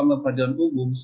sama peradilan umum